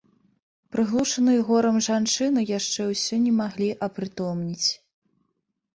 Прыглушаныя горам жанчыны яшчэ ўсё не маглі апрытомнець.